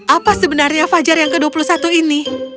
apa sebenarnya fajar yang ke dua puluh satu ini